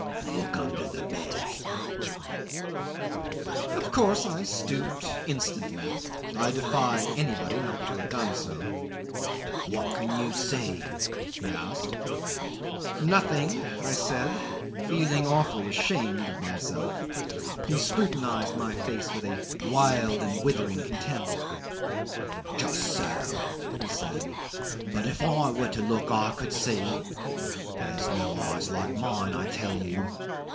Look under the bed." 'Of course I stooped instantly. I defy anybody not to have done so. "What can you see?" he asked. "Nothing," I said, feeling awfully ashamed of myself. He scrutinised my face with wild and withering contempt. "Just so," he said, "but if I were to look I could see there's no eyes like mine, I tell you."